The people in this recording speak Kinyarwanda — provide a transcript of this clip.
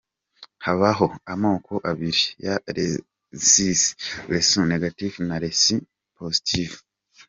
Habaho amoko abiri ya Rezisi:Rhesus negatif na Rhesus Positif.